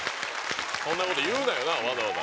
そんな事言うなよなわざわざ。